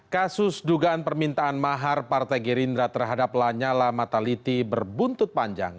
kasus dugaan permintaan mahar partai gerindra terhadap lanyala mataliti berbuntut panjang